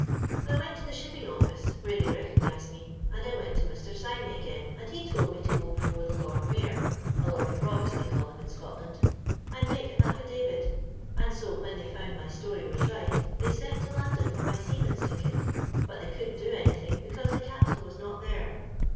" I went to the shipping office, where they reckonised me; and I went to Mr. Symee again, and he told me to go before the Lord Mayor (a Lord Provost they call him in Scot land), and make an affidavit; and so, when they found my story was right they sent to London for my seaman's ticket; but they couldn't do anything, because the captain was not there.